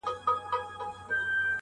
چي بیا به څو درجې ستا پر خوا کږيږي ژوند.